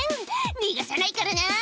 逃がさないからな」